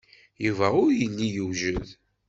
Yuba ur yelli yewjed.